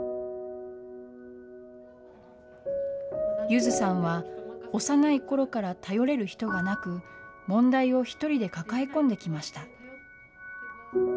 ゆずさんは、幼いころから頼れる人がなく、問題を一人で抱え込んできました。